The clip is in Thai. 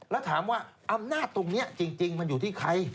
แล้วถามว่าอำนาจตรงนี้จริงมันอยู่ที่ใคร